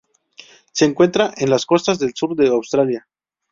Se encuentra en las costas del sur de Australia.